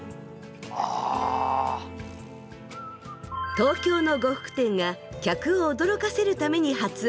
東京の呉服店が客を驚かせるために発案。